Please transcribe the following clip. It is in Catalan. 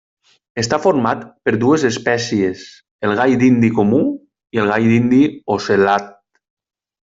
Està format per dues espècies, el gall dindi comú i el gall dindi ocel·lat.